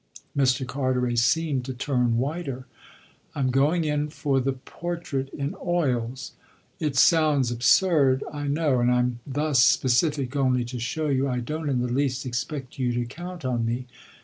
Mr. Carteret seemed to turn whiter. "I'm going in for the portrait in oils. It sounds absurd, I know, and I'm thus specific only to show you I don't in the least expect you to count on me."